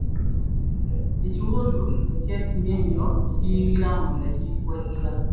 Ekiwundu ekyesimye ennyo ne kiyingira munda kiyitibwa kitya?